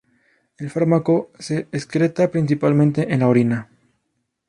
El fármaco se excreta principalmente en la orina.